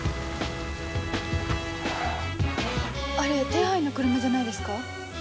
あれ手配の車じゃないですか？